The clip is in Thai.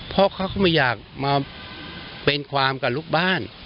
เพราะเขาก็ไม่อยากมาเป็นความกับลูกบ้าน